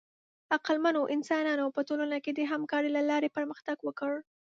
عقلمنو انسانانو په ټولنه کې د همکارۍ له لارې پرمختګ وکړ.